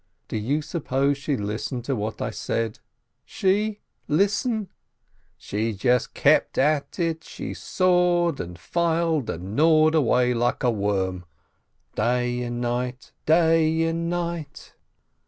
Do you suppose she listened to what I said ? She ? Listen ? She just kept at it, she sawed and filed and gnawed away like a worm, day and night, day and night